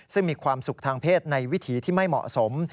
ซึ่งมีความสุขทางเพศในวิถีที่ไม่เหมาะสม